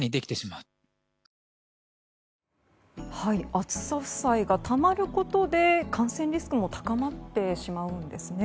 暑さ負債がたまることで感染リスクも高まってしまうんですね。